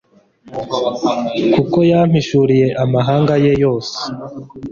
kuko yampishuriye amabanga ye yose